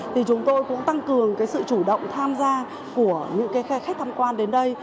thì chúng tôi cũng tăng cường sự chủ động tham gia của những khách tham quan đến đây